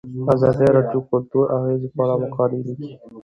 ازادي راډیو د کلتور د اغیزو په اړه مقالو لیکلي.